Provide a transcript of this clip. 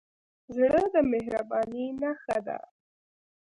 زړه د مهربانۍ نښه ده.